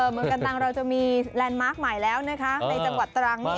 เมืองกันตังเราจะมีแลนด์มาร์คใหม่แล้วนะคะในจังหวัดตรังนี่